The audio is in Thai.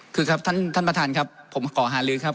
คือครับท่านประธานครับผมขอหาลือครับ